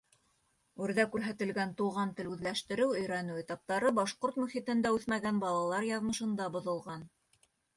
Үрҙә күрһәтелгән туған тел үҙләштереү, өйрәнеү этаптары башҡорт мөхитендә үҫмәгән балалар яҙмышында боҙолған.